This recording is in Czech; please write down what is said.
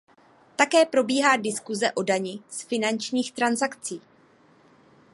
Také probíhá diskuse o dani z finančních transakcí.